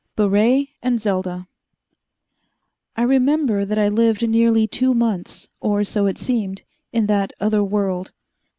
Baret and Selda I remember that I lived nearly two months or so it seemed in that other world.